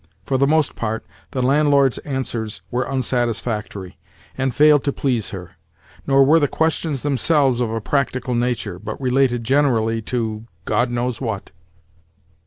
For the most part, the landlord's answers were unsatisfactory, and failed to please her; nor were the questions themselves of a practical nature, but related, generally, to God knows what.